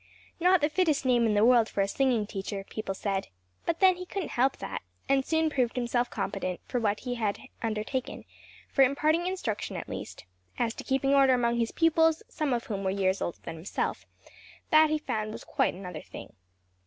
Not the fittest name in the world for a singing teacher, people said; but then he couldn't help that, and soon proved himself competent for what he had undertaken; for imparting instruction at least; as to keeping order among his pupils, some of whom were years older than himself that he found was quite another thing.